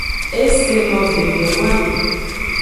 E se no veve noame.